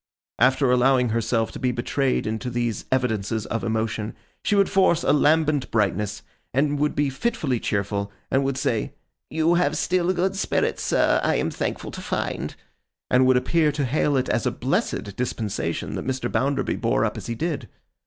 After allowing herself to be betrayed into these evidences of emotion, she would force a lambent brightness, and would be fitfully cheerful, and would say, 'You have still good spirits, sir, I am thankful to find;' and would appear to hail it as a blessed dispensation that Mr. Bounderby bore up as he did.